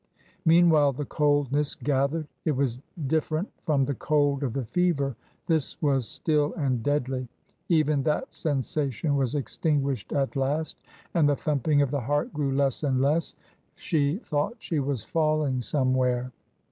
Meanwhile, the coldness gathered. It was different from the cold of the fever ; this was still and deadly. Even that sensation was extinguished at last, and the thumping of the heart grew less and less. She thought she was falling somewhere.